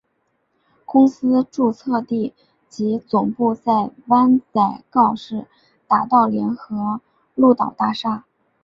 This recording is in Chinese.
公司注册地及总部在湾仔告士打道联合鹿岛大厦。